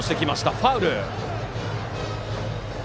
ファウル。